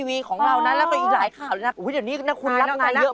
เออน่ารักจังเลย